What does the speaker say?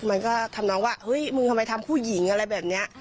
มันก็ทำน้องว่าเฮ้ยมึงทำไมทำผู้หญิงอะไรแบบนี้